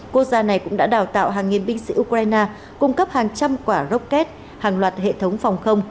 quốc gia này cũng đã đào tạo hàng nghìn binh sĩ ukraine cung cấp hàng trăm quả rocket hàng loạt hệ thống phòng không